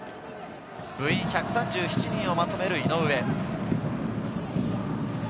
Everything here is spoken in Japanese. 部員１３７人をまとめる井上。